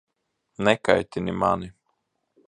Nekaitini mani!